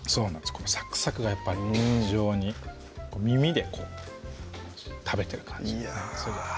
このサクサクがやっぱり非常に耳で食べてる感じいや